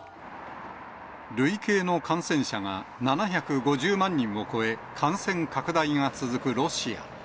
累計の感染者が７５０万人を超え、感染拡大が続くロシア。